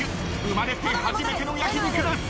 生まれて初めての焼き肉です。